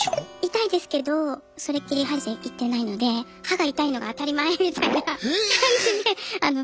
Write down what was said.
痛いですけどそれっきり歯医者行ってないので歯が痛いのが当たり前みたいな感じで。